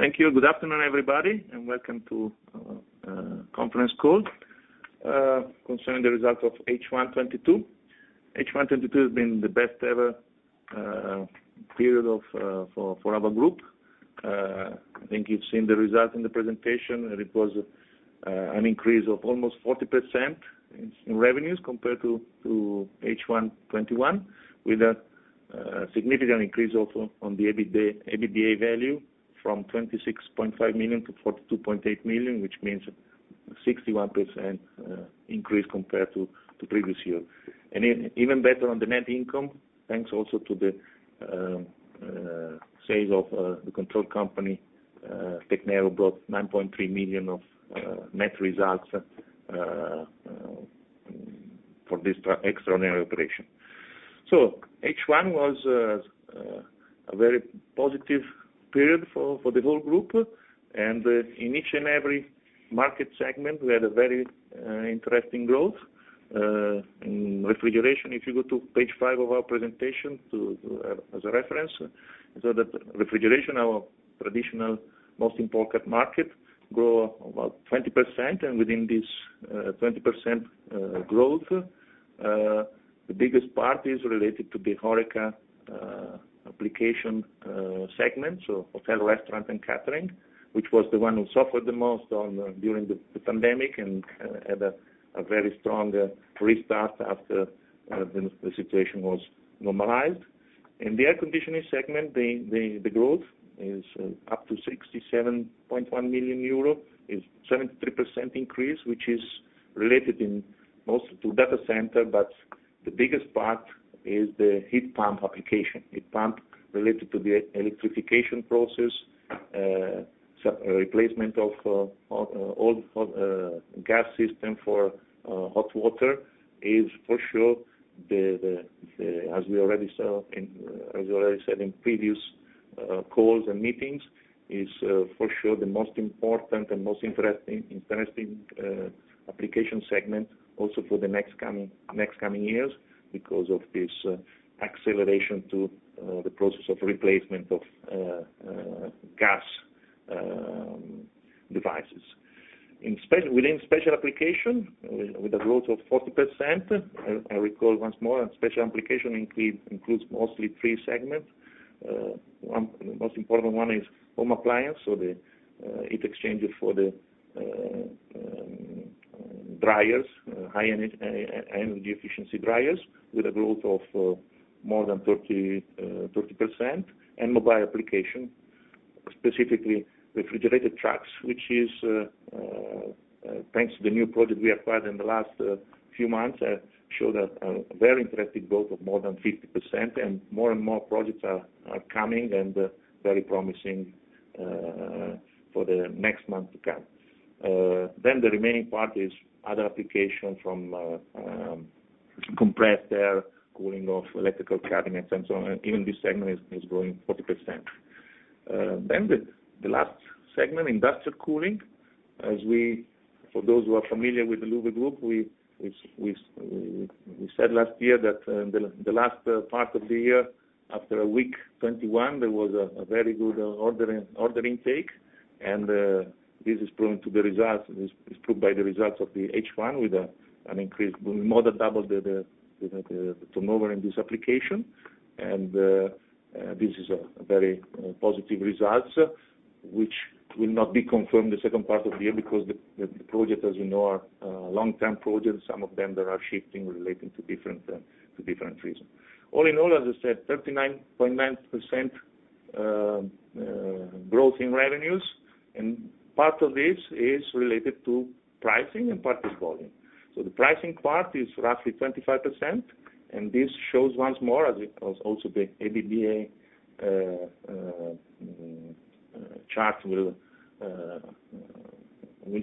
Thank you. Good afternoon, everybody, and welcome to conference call concerning the results of H1 2022. H1 2022 has been the best ever period for our group. I think you've seen the results in the presentation, and it was an increase of almost 40% in revenues compared to H1 2021 with a significant increase also on the EBITDA value from 26.5 million to 42.8 million, which means 61% increase compared to previous year. Even better on the net income, thanks also to the sale of the control company Tecnair brought 9.3 million of net result for this extraordinary operation. H1 was a very positive period for the whole group. In each and every market segment, we had a very interesting growth in refrigeration. If you go to page five of our presentation, as a reference, you can see that refrigeration, our traditional most important market, grow about 20%. Within this 20% growth, the biggest part is related to the HoReCa application segment, so hotel, restaurant, and catering, which was the one who suffered the most during the pandemic and had a very strong restart after the situation was normalized. In the air conditioning segment, the growth is up to 67.1 million euro, is 73% increase, which is related in mostly to data center. But the biggest part is the heat pump application. Heat pump related to the electrification process, replacement of old gas system for hot water is for sure the, as we already said in previous calls and meetings, is for sure the most important and most interesting application segment also for the next coming years because of this acceleration to the process of replacement of gas devices. Within special application with a growth of 40%, I recall once more that special application includes mostly three segments. One, the most important one is home appliance, so the heat exchanger for the dryers, high energy efficiency dryers with a growth of more than 30% and mobile application, specifically refrigerated trucks, which is thanks to the new project we acquired in the last few months, showed a very interesting growth of more than 50%. More and more projects are coming and very promising for the next month to come. The remaining part is other application from compressed air, cooling of electrical cabinets and so on, and even this segment is growing 40%. The last segment, industrial cooling, for those who are familiar with the LU-VE Group, we said last year that the last part of the year, after week 21, there was a very good order intake. This is proved by the results of the H1 with an increase more than double the turnover in this application. This is a very positive results which will not be confirmed the second part of the year because the projects, as you know, are long-term projects. Some of them that are shifting relating to different reasons. All in all, as I said, 39.9% growth in revenues, and part of this is related to pricing and part is volume. The pricing part is roughly 25%, and this shows once more, as also the EBITDA chart will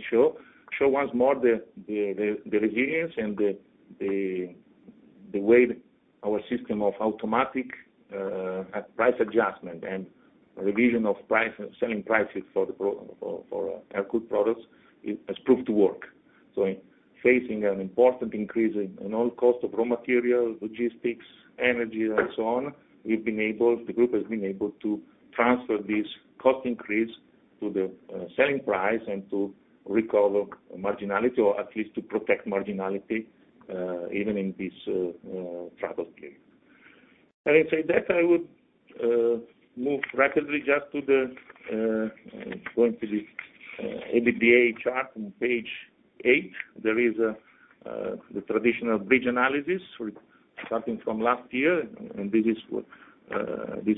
show, the resilience and the way our system of automatic price adjustment and revision of selling prices for our cool products has proved to work. In facing an important increase in all costs of raw material, logistics, energy, and so on, the group has been able to transfer this cost increase to the selling price and to recover marginality, or at least to protect marginality, even in this troubled period. Having said that, I would move rapidly to the EBITDA chart on page 8. There is the traditional bridge analysis starting from last year, and this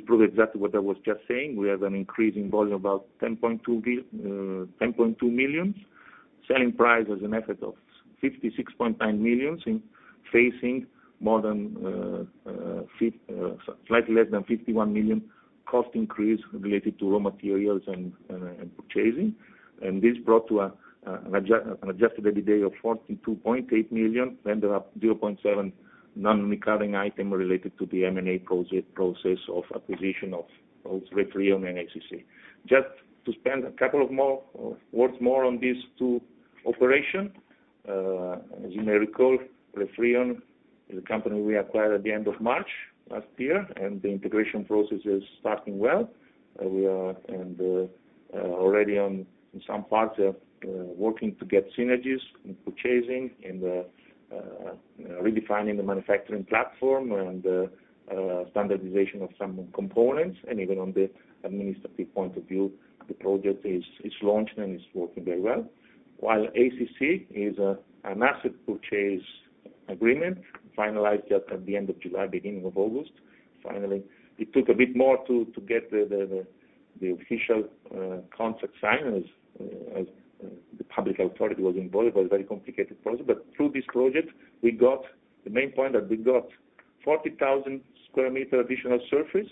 proves exactly what I was just saying. We have an increasing volume, about 10.2 million. Selling price has an effect of 66.9 million offsetting slightly less than 51 million cost increase related to raw materials and purchasing. This brought to an adjusted EBITDA of 42.8 million, then there are 0.7 million non-recurring item related to the M&A process of acquisition of Refrion and ACC. Just to spend a couple more words on these two operations, as you may recall, Refrion is a company we acquired at the end of March last year, and the integration process is starting well. We are already on some parts of working to get synergies in purchasing, in the redefining the manufacturing platform and standardization of some components. Even on the administrative point of view, the project is launched and is working very well. While ACC is an asset purchase agreement finalized at the end of July, beginning of August. Finally, it took a bit more to get the official contract signed as the public authority was involved. It was a very complicated process, but through this project we got the main point, that we got 40,000 sq m additional surface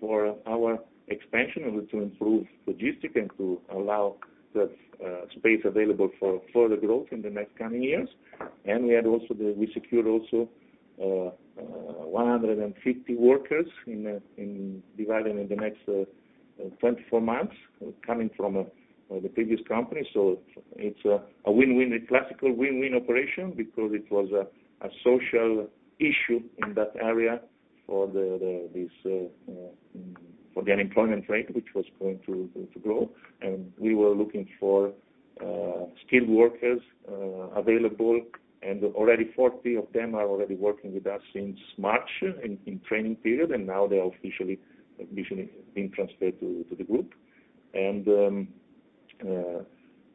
for our expansion and to improve logistics and to allow that space available for further growth in the next coming years. We secured also 150 workers in hiring in the next 24 months, coming from the previous company. It's a win-win, a classical win-win operation because it was a social issue in that area for the unemployment rate, which was going to grow. We were looking for skilled workers available. Already 40 of them are already working with us since March in training period. Now they are officially being transferred to the group.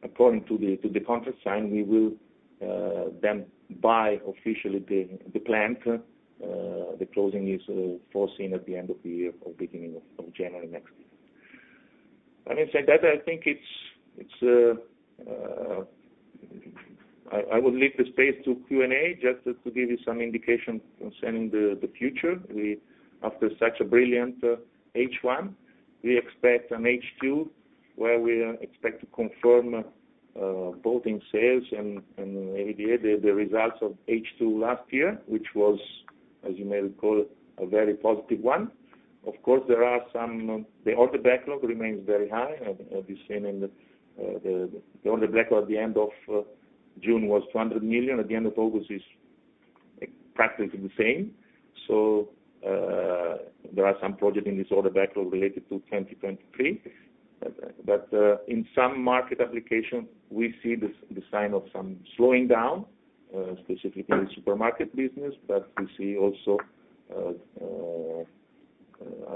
According to the contract signed, we will then buy officially the plant. The closing is foreseen at the end of the year or beginning of January next year. Having said that, I think I will leave the space to Q&A just to give you some indication concerning the future. After such a brilliant H1, we expect an H2 where we expect to confirm both in sales and EBITDA, the results of H2 last year, which was, as you may recall, a very positive one. Of course, there are some. The order backlog remains very high. We've seen the order backlog at the end of June was 200 million. At the end of August, it's practically the same. There are some projects in this order backlog related to 2023. In some market applications, we see the signs of some slowing down, specifically supermarket business. We see also, as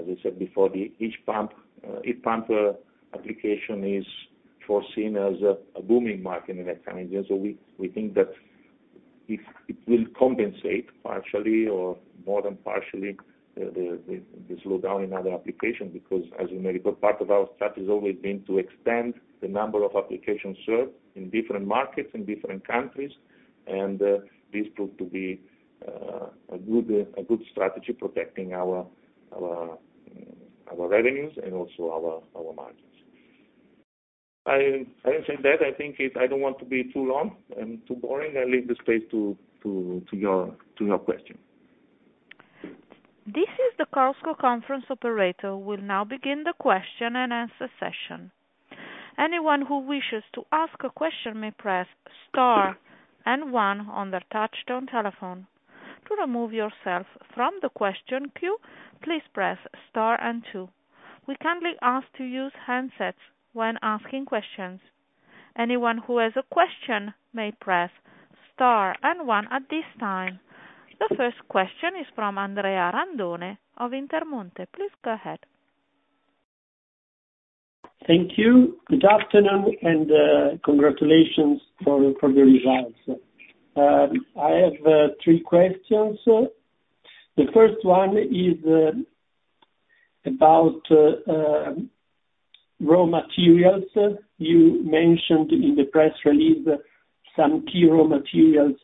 I said before, the heat pump application is foreseen as a booming market in the coming years. We think that it will compensate partially or more than partially the slowdown in other applications because as you may recall, part of our strategy has always been to extend the number of applications served in different markets, in different countries. This proved to be a good strategy protecting our revenues and also our margins. Having said that, I think it's. I don't want to be too long and too boring. I leave the space to your question. This is the Chorus Call conference operator. We'll now begin the question and answer session. Anyone who wishes to ask a question may press star and one on their touchtone telephone. To remove yourself from the question queue, please press star and two. We kindly ask to use handsets when asking questions. Anyone who has a question may press star and one at this time. The first question is from Andrea Randone of Intermonte. Please go ahead. Thank you. Good afternoon and congratulations for the results. I have three questions. The first one is about raw materials. You mentioned in the press release some key raw materials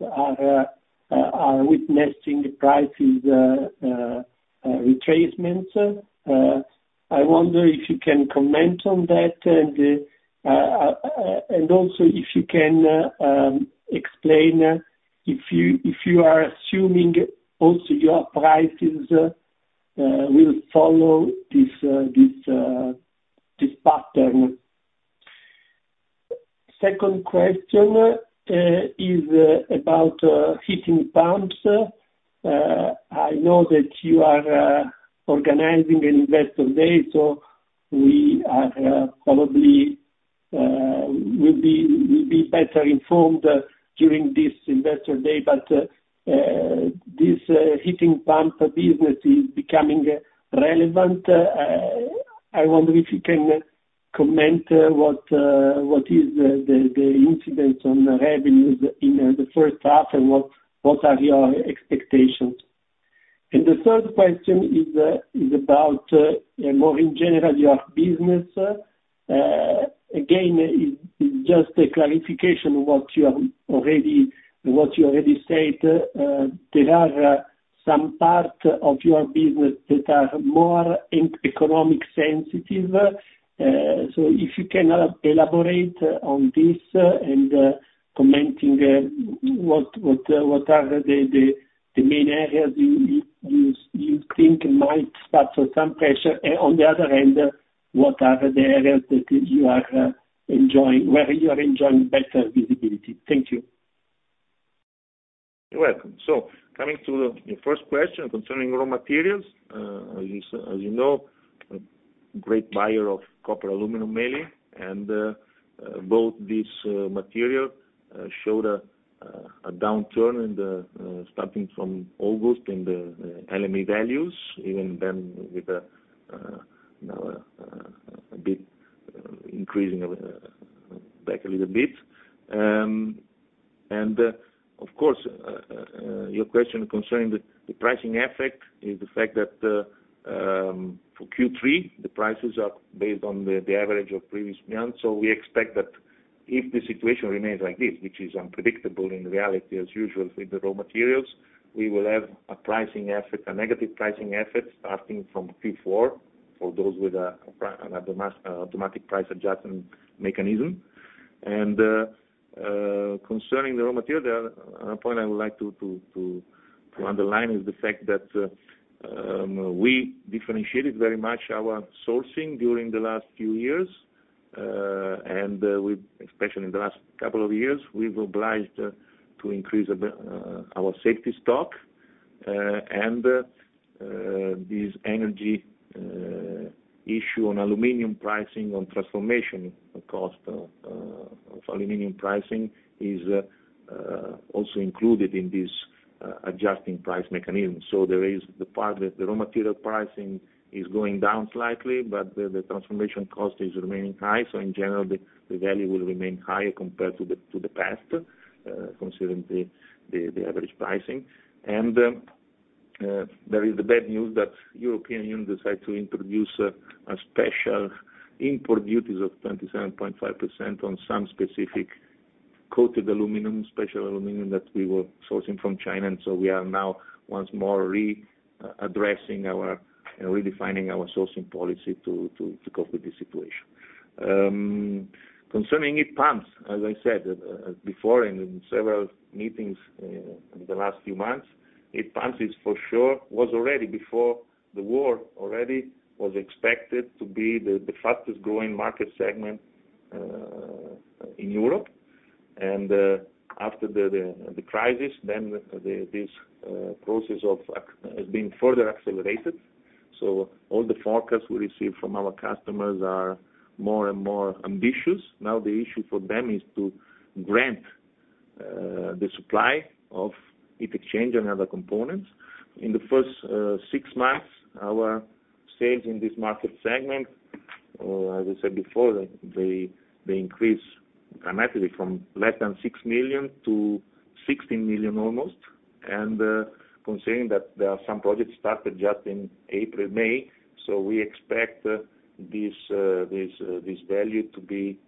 are witnessing price retracements. I wonder if you can comment on that and also if you can explain if you are assuming also your prices will follow this pattern. Second question is about heating pumps. I know that you are organizing an Investor Day, so we will probably be better informed during this Investor Day. This heating pump business is becoming relevant. I wonder if you can comment what is the incidence on revenues in the H1 and what are your expectations? The third question is about more generally your business. Again, it's just a clarification what you already said. There are some parts of your business that are more economically sensitive. So if you can elaborate on this and comment on what are the main areas you think might suffer some pressure? On the other hand, what are the areas that you are enjoying better visibility? Thank you. You're welcome. Coming to your first question concerning raw materials, as you know, a great buyer of copper, aluminum mainly, and both these materials showed a downturn starting from August in the LME values, even then with, you know, a bit of an increase back a little bit. Of course, your question concerning the pricing effect is the fact that, for Q3, the prices are based on the average of previous months. We expect that if the situation remains like this, which is unpredictable in reality as usual with the raw materials, we will have a pricing effect, a negative pricing effect starting from Q4 for those with an automatic price adjustment mechanism. Concerning the raw material, a point I would like to underline is the fact that we differentiated very much our sourcing during the last few years, and especially in the last couple of years, we've obliged to increase our safety stock. This energy issue on aluminum pricing, on transformation cost of aluminum pricing is also included in this adjusting price mechanism. There is the part that the raw material pricing is going down slightly, but the transformation cost is remaining high. In general, the value will remain higher compared to the past, considering the average pricing. There is the bad news that European Union decided to introduce a special import duties of 27.5% on some specific coated aluminum, special aluminum that we were sourcing from China. We are now once more redefining our sourcing policy to cope with the situation. Concerning heat pumps, as I said before in several meetings in the last few months, heat pumps is for sure was already before the war expected to be the fastest-growing market segment in Europe. After the crisis, this process of acceleration has been further accelerated. All the forecast we receive from our customers are more and more ambitious. Now, the issue for them is to grant the supply of heat exchangers and other components. In the first six months, our sales in this market segment, as I said before, they increased dramatically from less than 6 million to almost 16 million. Considering that there are some projects started just in April, May, so we expect this value to be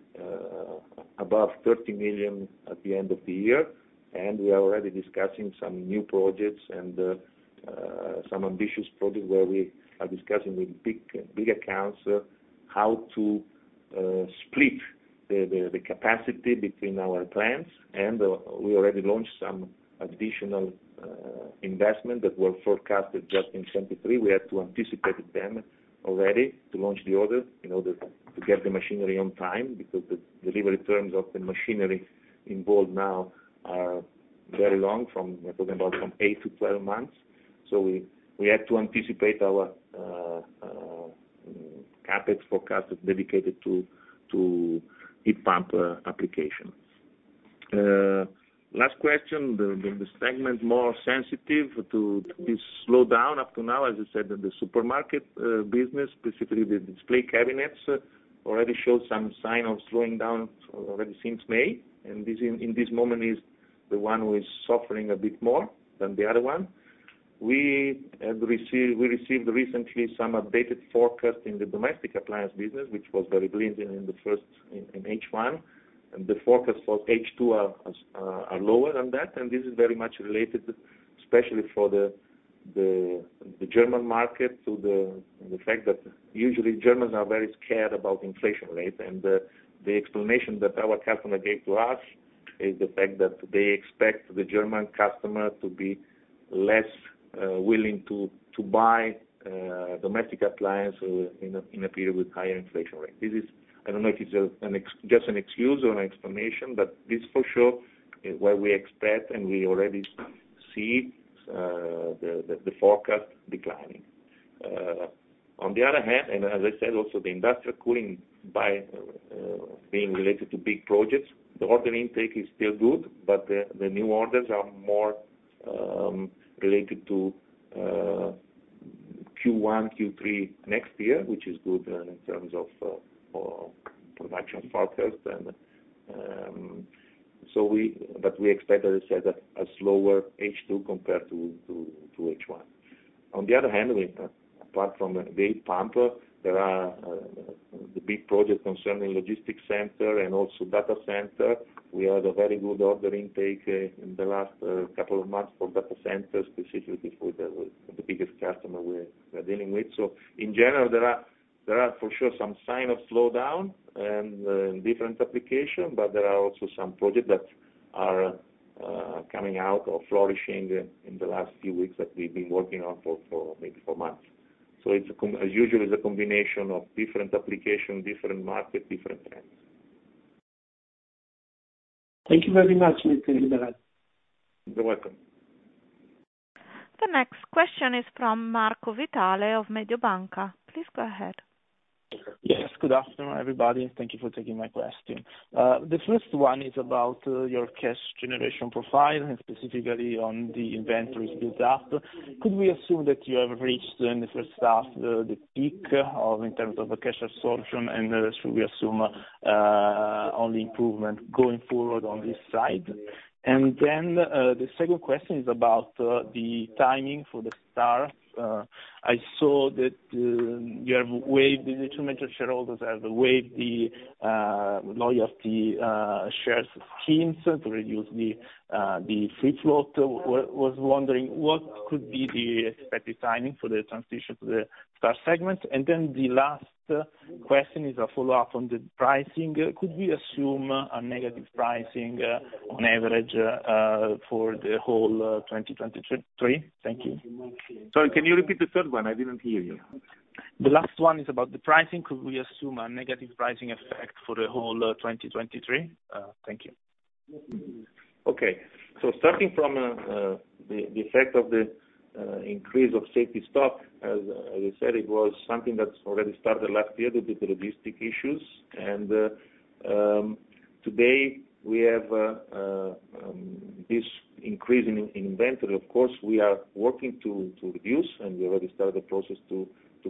above 30 million at the end of the year. We are already discussing some new projects and some ambitious projects where we are discussing with big accounts how to split the capacity between our plants. We already launched some additional investment that were forecasted just in 2023. We had to anticipate them already to launch the order in order to get the machinery on time, because the delivery terms of the machinery involved now are very long, eight to 12 months. We had to anticipate our CapEx forecast dedicated to heat pump applications. Last question, the segment more sensitive to this slowdown up to now, as I said, the supermarket business, specifically the display cabinets, showed some sign of slowing down since May. This in this moment is the one who is suffering a bit more than the other one. We received recently some updated forecast in the domestic appliance business, which was very brilliant in H1. The forecast for H2 are lower than that. This is very much related, especially for the German market, to the fact that usually Germans are very scared about inflation rate. The explanation that our customer gave to us is the fact that they expect the German customer to be less willing to buy domestic appliance in a period with higher inflation rate. This is, I don't know if it's an excuse or an explanation, but this for sure is what we expect, and we already see the forecast declining. On the other hand, as I said also, the industrial cooling by being related to big projects, the order intake is still good, but the new orders are more related to Q1, Q3 next year, which is good in terms of production forecast. We expect, as I said, a slower H2 compared to H1. On the other hand, we apart from the heat pump, there are the big project concerning logistics center and also data center. We had a very good order intake in the last couple of months for data centers, specifically for the biggest customer we're dealing with. In general, there are for sure some sign of slowdown and in different application, but there are also some project that are coming out or flourishing in the last few weeks that we've been working on for maybe months. As usual, it's a combination of different application, different market, different trends. Thank you very much, Mr. Liberali. You're welcome. The next question is from Marco Vitale of Mediobanca. Please go ahead. Yes, good afternoon, everybody, and thank you for taking my question. The first one is about your cash generation profile and specifically on the inventories built up. Could we assume that you have reached in the H1 the peak in terms of the cash absorption? Should we assume only improvement going forward on this side? The second question is about the timing for the STAR. I saw that the two major shareholders have waived the loyalty share schemes to reduce the free float. Was wondering, what could be the expected timing for the transition to the STAR segment? The last question is a follow-up on the pricing. Could we assume a negative pricing on average for the whole 2023? Thank you. Sorry, can you repeat the third one? I didn't hear you. The last one is about the pricing. Could we assume a negative pricing effect for the whole 2023? Thank you. Okay. Starting from the effect of the increase of safety stock, as you said, it was something that's already started last year due to the logistics issues. Today, we have this increase in inventory. Of course, we are working to reduce, and we already started the process to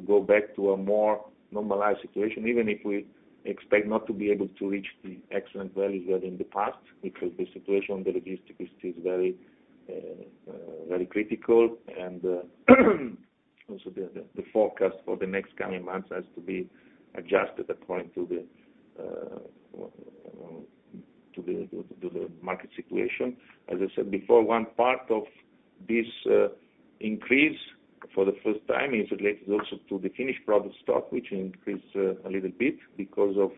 go back to a more normalized situation, even if we expect not to be able to reach the excellent values we had in the past, because the situation, the logistics is still very critical. Also the forecast for the next coming months has to be adjusted according to the market situation. As I said before, one part of this increase for the first time is related also to the finished product stock, which increased a little bit because of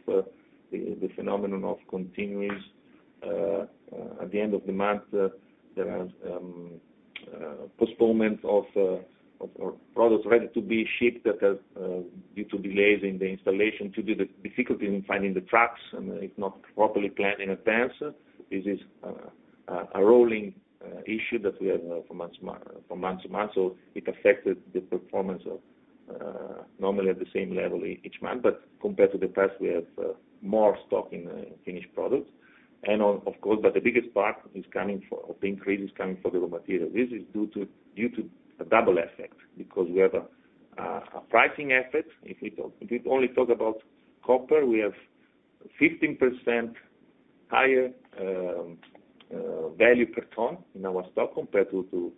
the phenomenon of continuous at the end of the month. There was postponement of our products ready to be shipped that had due to delays in the installation, due to the difficulty in finding the trucks, and if not properly planned in advance. This is a rolling issue that we have from month to month, so it affected the performance. Normally at the same level each month. Compared to the past, we have more stock in finished products. Of course, the biggest part of the increase is coming from the raw material. This is due to a double effect because we have a pricing effect. If we only talk about copper, we have 15% higher value per ton in our stock compared to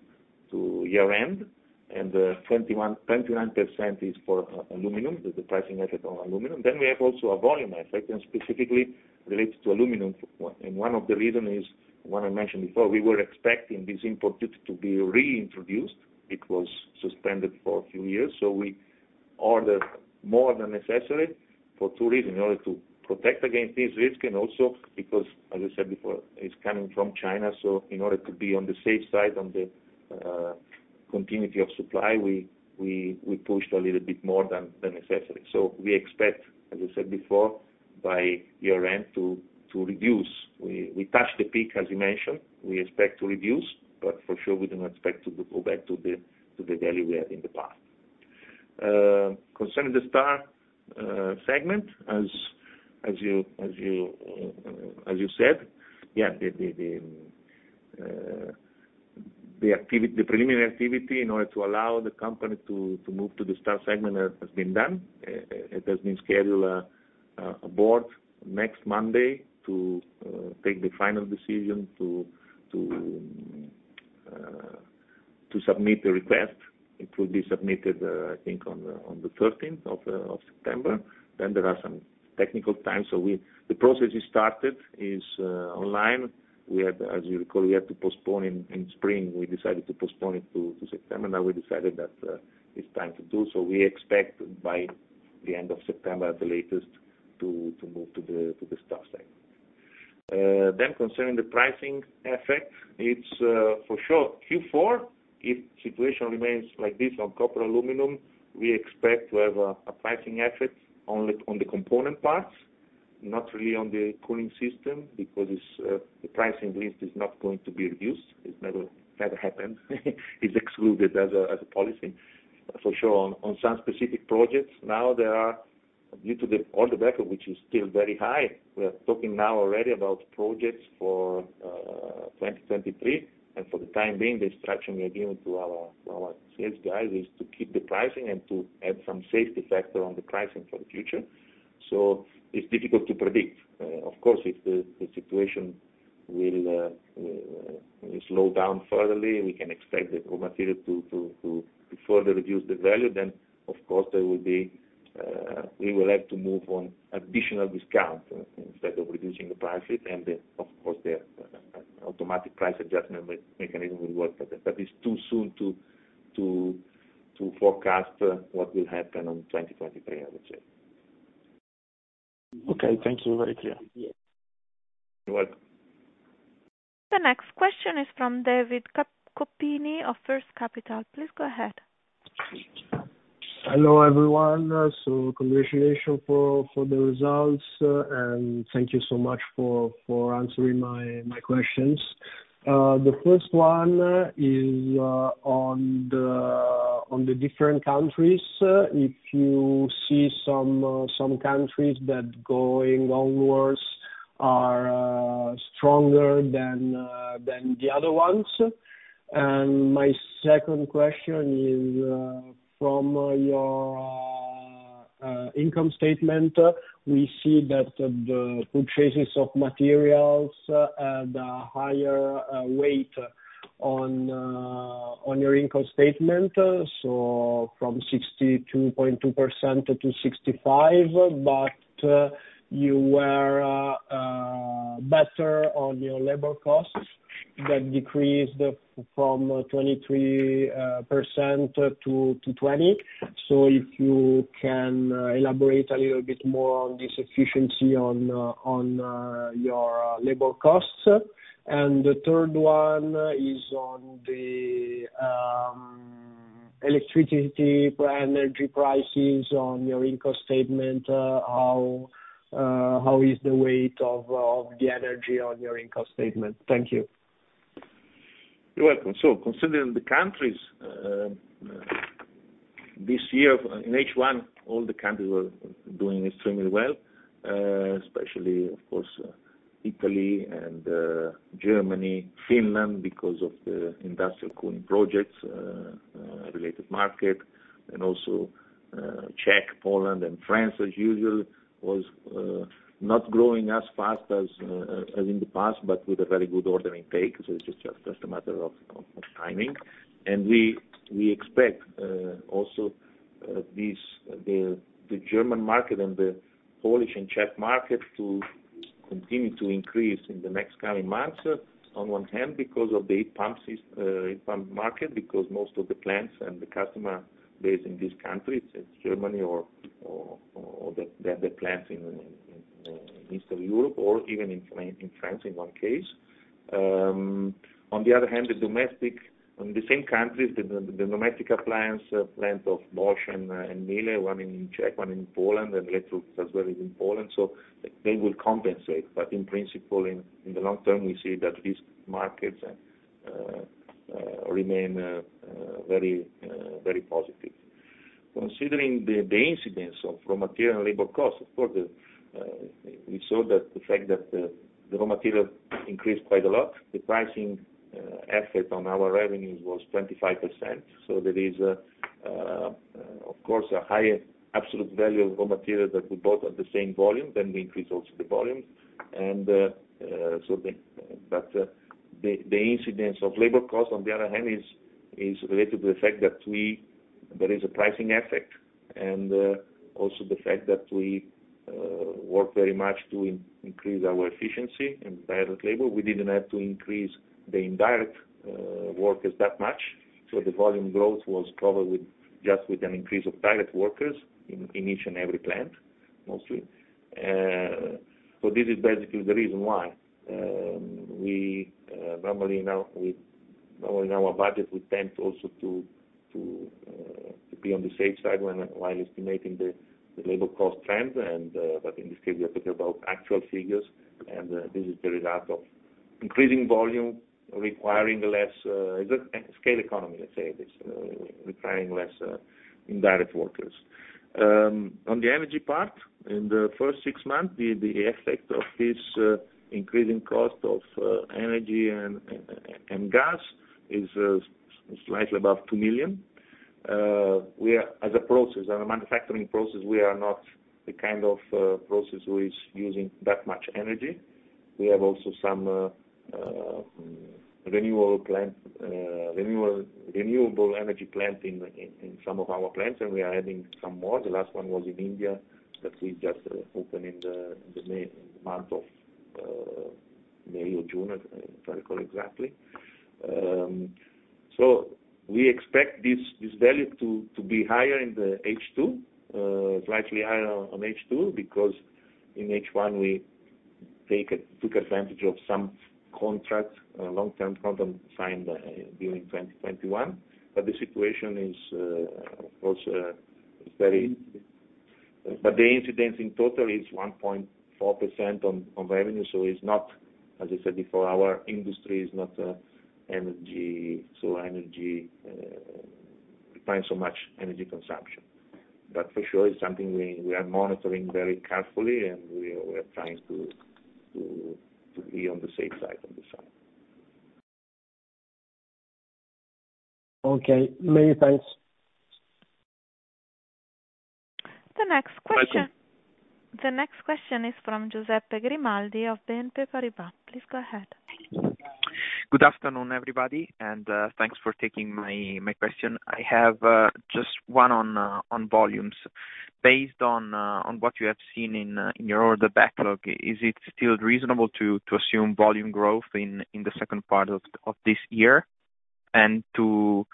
year end, and 21% to 29% is for aluminum, the pricing effect on aluminum. Then we have also a volume effect and specifically related to aluminum. One of the reason is one I mentioned before, we were expecting this import duty to be reintroduced. It was suspended for a few years, so we ordered more than necessary for two reasons, in order to protect against this risk and also because, as I said before, it's coming from China, so in order to be on the safe side on the continuity of supply, we pushed a little bit more than necessary. We expect, as I said before, by year end to reduce. We touched the peak, as you mentioned. We expect to reduce, but for sure we do not expect to go back to the value we had in the past. Concerning the STAR segment, as you said, yeah, the preliminary activity in order to allow the company to move to the STAR segment has been done. It has been scheduled a board next Monday to take the final decision to submit the request. It will be submitted, I think on the 13th of September. Then there are some technical time. The process is started online. As you recall, we had to postpone in spring. We decided to postpone it to September. Now we decided that it's time to do so. We expect by the end of September at the latest to move to the STAR segment. Concerning the pricing effect, it's for sure Q4, if situation remains like this on copper, aluminum, we expect to have a pricing effect only on the component parts, not really on the cooling system because it's the pricing list is not going to be reduced. It never happened. It's excluded as a policy. For sure on some specific projects now there are, due to the order backup which is still very high, we are talking now already about projects for 2023. For the time being, the instruction we give to our sales guys is to keep the pricing and to add some safety factor on the pricing for the future. It's difficult to predict. Of course, if the situation will slow down further, we can expect the raw material to further reduce the value. Of course there will be, we will have to pass on additional discount instead of reducing the price. Automatic price adjustment mechanism will work, but that is too soon to forecast what will happen in 2023, I would say. Okay. Thank you. Very clear. You're welcome. The next question is from David Coppini of First Capital. Please go ahead. Hello, everyone. Congratulations for the results, and thank you so much for answering my questions. The first one is on the different countries. If you see some countries that going onwards are stronger than the other ones. My second question is from your income statement, we see that the purchases of materials have a higher weight on your income statement, so from 62.2% to 65%. You were better on your labor costs. That decreased from 23% to 20%. If you can elaborate a little bit more on this efficiency on your labor costs. The third one is on the electricity, energy prices on your income statement. How is the weight of the energy on your income statement? Thank you. You're welcome. Considering the countries, this year in H1, all the countries were doing extremely well, especially, of course, Italy and Germany, Finland, because of the industrial cooling projects related market, and also Czech, Poland, and France, as usual, was not growing as fast as in the past, but with a very good ordering take. It's just a matter of timing. We expect also the German market and the Polish and Czech market to continue to increase in the next coming months, on one hand because of the heat pumps, heat pump market, because most of the plants and the customer base in these countries, it's Germany or the plants in Eastern Europe or even in France in one case. On the other hand, the domestic appliance plants of Bosch and Miele, one in Czech, one in Poland, and Electrolux as well is in Poland, so they will compensate. In principle, in the long term, we see that these markets remain very positive. Considering the incidence of raw material and labor costs, of course, we saw that the fact that the raw material increased quite a lot. The pricing effort on our revenues was 25%. There is of course a higher absolute value of raw material that we bought at the same volume, then we increased also the volume. The incidence of labor costs, on the other hand, is related to the fact that there is a pricing effect and also the fact that we work very much to increase our efficiency in direct labor. We didn't have to increase the indirect workers that much, so the volume growth was covered with just an increase of direct workers in each and every plant, mostly. This is basically the reason why we normally in our budget we tend also to be on the safe side while estimating the labor cost trends, but in this case, we are talking about actual figures. This is the result of increasing volume, requiring less scale economy, let's say it is, requiring less indirect workers. On the energy part, in the first six months, the effect of this increasing cost of energy and gas is slightly above 2 million. We are, as a process, as a manufacturing process, not the kind of process who is using that much energy. We have also some renewable energy plant in some of our plants, and we are adding some more. The last one was in India that we just opened in the month of May or June, if I recall exactly. We expect this value to be higher in the H2, slightly higher on H2, because in H1, we took advantage of some contracts, long-term contract signed during 2021. The incidence in total is 1.4% on revenue, so it's not, as I said before, our industry is not energy so energy requiring so much energy consumption. For sure it's something we are monitoring very carefully, and we are trying to be on the safe side on this one. Okay. Many thanks. The next question. Welcome. The next question is from Giuseppe Grimaldi of BNP Paribas. Please go ahead. Good afternoon, everybody, and thanks for taking my question. I have just one on volumes. Based on what you have seen in your order backlog, is it still reasonable to assume volume growth in the second part of this year? To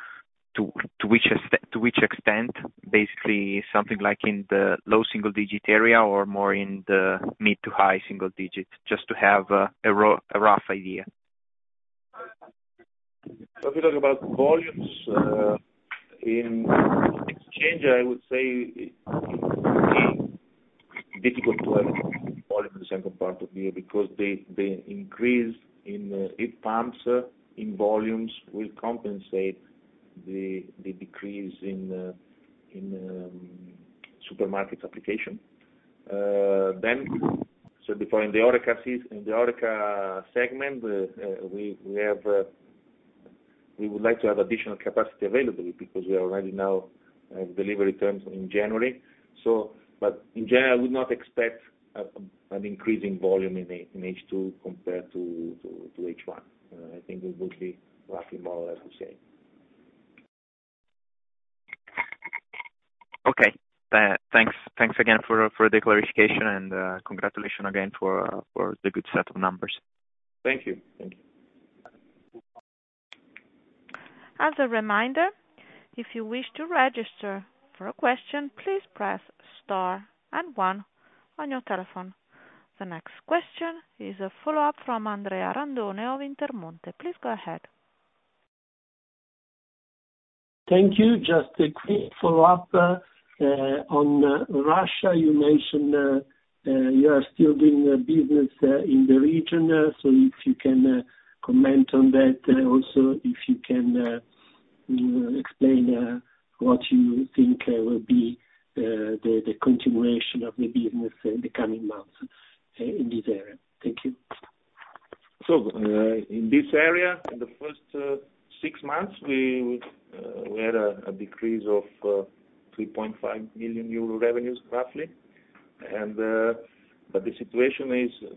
which extent, basically something like in the low single digit area or more in the mid to high single digits? Just to have a rough idea. If you talk about volumes in exchange, I would say it's really difficult to have volume in the second part of the year because the increase in heat pumps in volumes will compensate the decrease in supermarket application. Before in the HoReCa segment, we would like to have additional capacity available because we already now have delivery terms in January. In general, I would not expect an increase in volume in H2 compared to H1. I think it will be roughly more or less the same. Okay. Thanks. Thanks again for the clarification and congratulations again for the good set of numbers. Thank you. Thank you. As a reminder, if you wish to register for a question, please press star and one on your telephone. The next question is a follow-up from Andrea Randone of Intermonte. Please go ahead. Thank you. Just a quick follow-up on Russia. You mentioned you are still doing business in the region. If you can comment on that. Also, if you can, you know, explain what you think will be the continuation of the business in the coming months in this area. Thank you. In this area, in the first six months, we had a decrease of 3.5 million euro revenues, roughly. The situation is,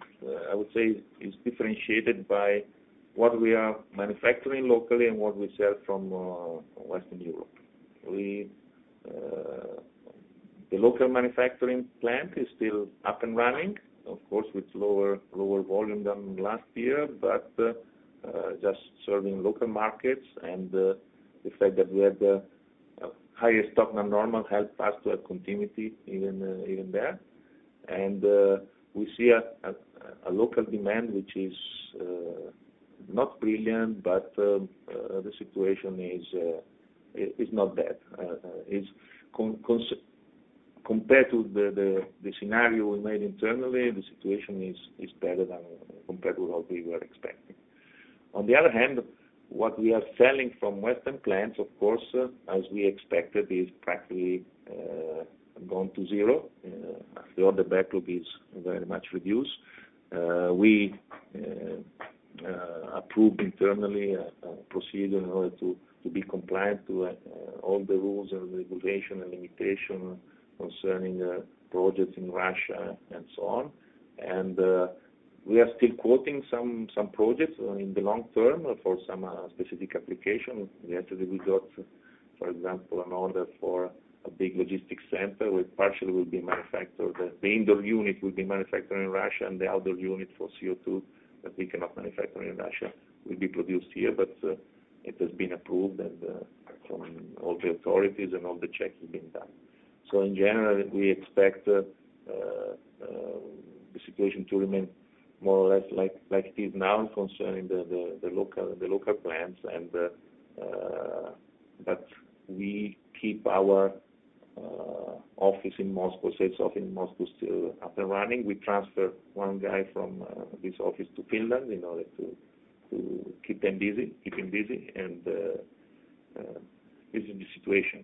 I would say, differentiated by what we are manufacturing locally and what we sell from Western Europe. The local manufacturing plant is still up and running, of course, with lower volume than last year, but just serving local markets and the fact that we had higher stock than normal helped us to have continuity even there. We see a local demand, which is not brilliant, but the situation is not bad. It's compared to the scenario we made internally, the situation is better than compared with what we were expecting. On the other hand, what we are selling from western plants, of course, as we expected, is practically gone to zero. The order backlog is very much reduced. We approved internally a procedure in order to be compliant to all the rules and regulation and limitation concerning projects in Russia and so on. We are still quoting some projects in the long term for some specific application. Yesterday we got, for example, an order for a big logistics center which partially will be manufactured. The indoor unit will be manufactured in Russia and the outdoor unit for CO2 that we cannot manufacture in Russia will be produced here. It has been approved and from all the authorities and all the checks have been done. In general, we expect the situation to remain more or less like it is now concerning the local plants, but we keep our sales office in Moscow still up and running. We transferred one guy from this office to Finland in order to keep him busy, and this is the situation.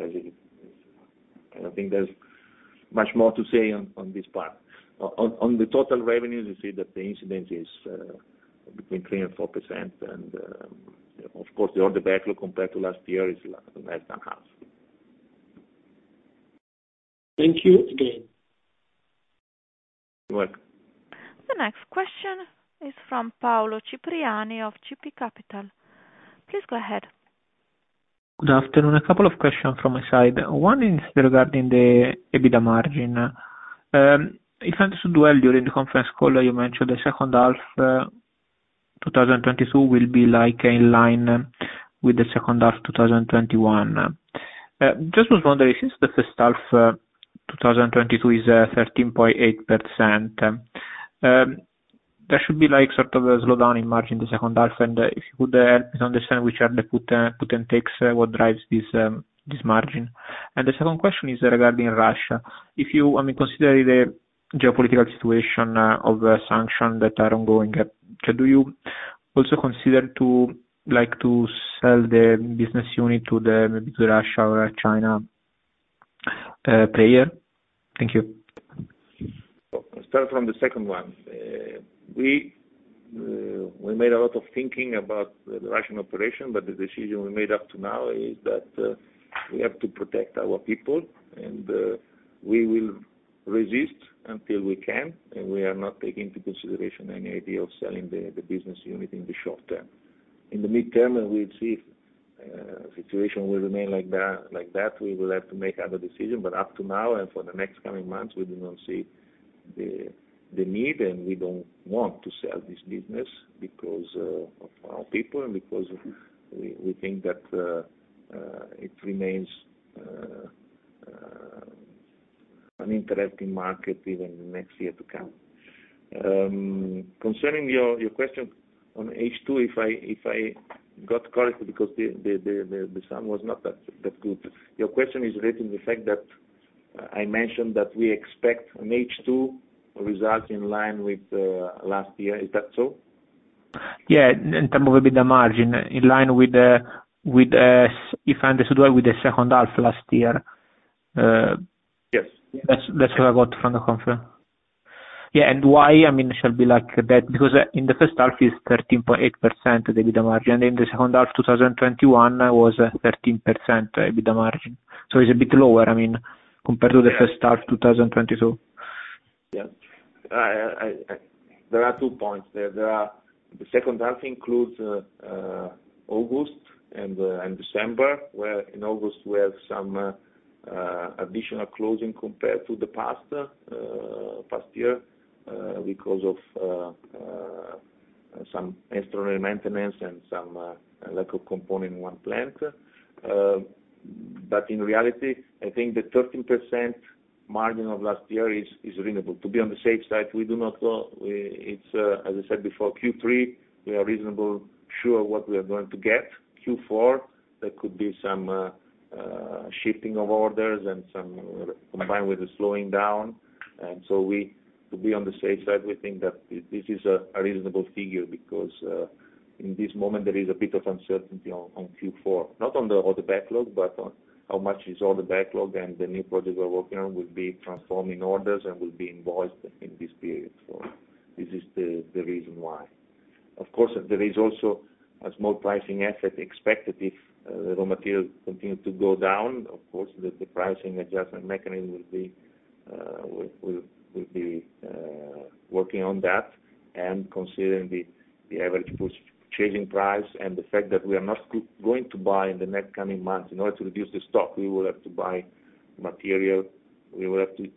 I don't think there's much more to say on this part. On the total revenues, you see that the increment is between 3% and 4%. Of course the order backlog compared to last year is less than half. Thank you again. You're welcome. The next question is from Paolo Cipriani of CP Capital. Please go ahead. Good afternoon. A couple of questions from my side. One is regarding the EBITDA margin. If I understood well during the conference call you mentioned the H2 2022 will be like in line with the H2 2021. Just was wondering since the H1 2022 is 13.8%, there should be like sort of a slowdown in margin in the H2. If you could help me to understand which are the puts and takes, what drives this margin. The second question is regarding Russia. I mean, considering the geopolitical situation of the sanctions that are ongoing, do you also consider to like to sell the business unit to the, maybe to Russia or Chinese player? Thank you. I'll start from the second one. We made a lot of thinking about the Russian operation, but the decision we made up to now is that we have to protect our people, and we will resist until we can, and we are not taking into consideration any idea of selling the business unit in the short term. In the midterm, we'll see if situation will remain like that, we will have to make other decision. Up to now and for the next coming months, we do not see the need, and we don't want to sell this business because of our people and because we think that it remains an interesting market even in the next year to come. Concerning your question on H2, if I got it correctly because the H1 was not that good. Your question is raising the fact that I mentioned that we expect an H2 result in line with last year. Is that so? Yeah. In terms of EBITDA margin in line with the H2 last year, if I understood well. Yes. That's what I got from the confirm. Yeah, and why, I mean, shall be like that? Because in the H1 is 13.8% EBITDA margin. In the H2, 2021 was 13% EBITDA margin. It's a bit lower, I mean, compared to the H1 2022. Yeah. There are two points. The H2 includes August and December, where in August, we have some additional closing compared to the past year because of some extraordinary maintenance and some lack of component in one plant. In reality, I think the 13% margin of last year is reasonable. To be on the safe side, It's as I said before, Q3, we are reasonably sure what we are going to get. Q4, there could be some shifting of orders and some combined with the slowing down. To be on the safe side, we think that this is a reasonable figure because in this moment, there is a bit of uncertainty on Q4, not on the order backlog, but on how much is order backlog and the new project we're working on will be transforming orders and will be invoiced in this period. This is the reason why. Of course, there is also a small pricing aspect expected if the raw materials continue to go down. Of course, the pricing adjustment mechanism will be working on that and considering the average purchasing price and the fact that we are not going to buy in the next coming months. In order to reduce the stock, we will have to buy material. We will have to.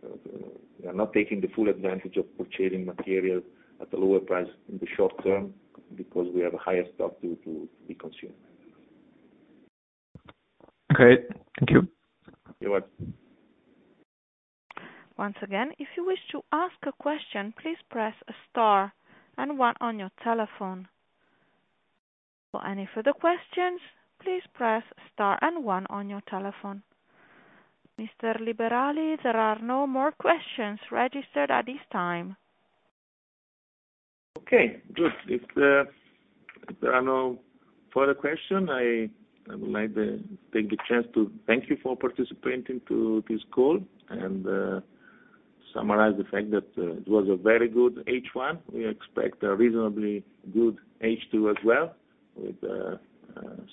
We are not taking the full advantage of purchasing material at a lower price in the short term because we have a higher stock to be consumed. Okay. Thank you. You're welcome. Once again, if you wish to ask a question, please press star and one on your telephone. For any further questions, please press star and one on your telephone. Mr. Liberali, there are no more questions registered at this time. Okay, good. If there are no further questions, I would like to take the chance to thank you for participating to this call and summarize the fact that it was a very good H1. We expect a reasonably good H2 as well with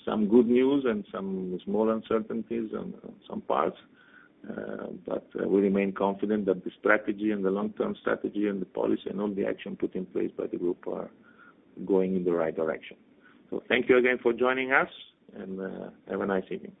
some good news and some small uncertainties on some parts. But we remain confident that the strategy and the long-term strategy and the policy and all the action put in place by the group are going in the right direction. Thank you again for joining us, and have a nice evening.